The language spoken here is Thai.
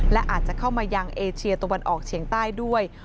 และอาจจะเข้ามายังเอเชียตะวันออกเฉียงใต้ด้วย